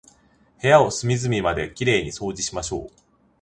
部屋を隅々まで綺麗に掃除しましょう。